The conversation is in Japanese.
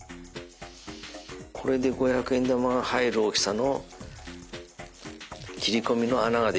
これで五百円玉が入る大きさの切込みの穴ができました。